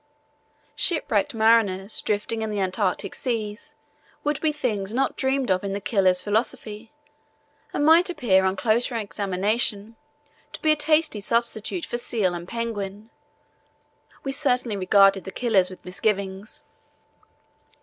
Shipwrecked mariners drifting in the Antarctic seas would be things not dreamed of in the killers' philosophy, and might appear on closer examination to be tasty substitutes for seal and penguin. We certainly regarded the killers with misgivings.